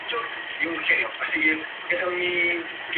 Al hombre que viaja siempre le pasan cosas.